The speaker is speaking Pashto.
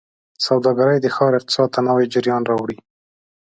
سوداګرۍ د ښار اقتصاد ته نوي جریان راوړي.